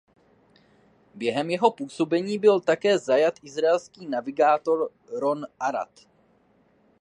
Během jeho působení byl také zajat izraelský navigátor Ron Arad.